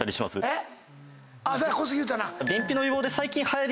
えっ！